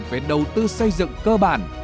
về đầu tư xây dựng cơ bản